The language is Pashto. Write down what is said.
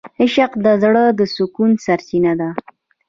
عشق د زړه د سکون سرچینه ده.